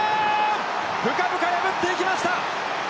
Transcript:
深々破っていきました。